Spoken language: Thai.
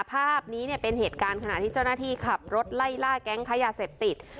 ภาพนี้เนี่ยเป็นเหตุการณ์ขณะที่เจ้าหน้าที่ขับรถไล่ล่าแก๊งค้ายาเสพติด